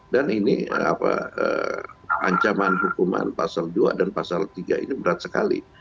dan ini ancaman hukuman pasal dua dan pasal tiga ini berat sekali